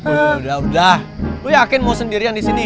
udah udah udah lo yakin mau sendirian disini